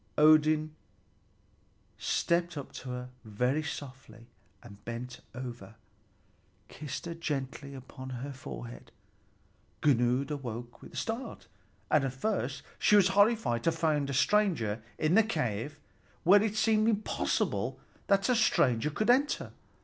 Odin stepped up to her very softly, and bending over, kissed her gently upon the forehead. Gunnlöd awoke with a start, and at first she was horrified to find a stranger in the cave where it seemed impossible that a stranger could enter.